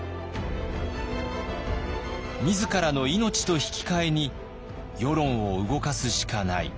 自らの命と引き換えに世論を動かすしかない。